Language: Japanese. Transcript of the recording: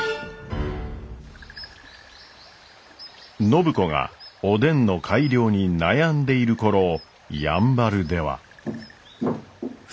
暢子がおでんの改良に悩んでいる頃やんばるでは。